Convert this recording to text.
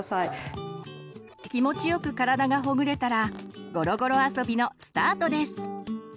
気持ちよく体がほぐれたらごろごろ遊びのスタートです。